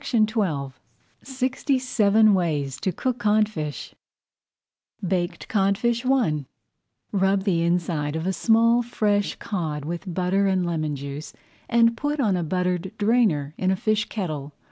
[Page 91] SIXTY SEVEN WAYS TO COOK CODFISH BAKED CODFISH I Rub the inside of a small fresh cod with butter and lemon juice and put on a buttered drainer in a fish kettle.